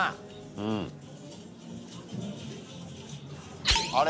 うん。あれ？